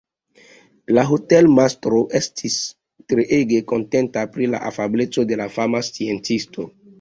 La hotelmastro estis treege kontenta pri la afableco de la fama sciencisto.